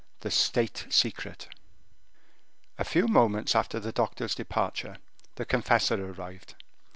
The State Secret. A few moments after the doctor's departure, the confessor arrived.